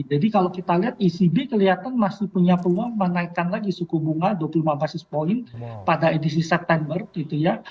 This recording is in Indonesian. jadi kalau kita lihat ecb kelihatan masih punya peluang menaikkan lagi suku bunga dua puluh lima basis point pada edisi september gitu ya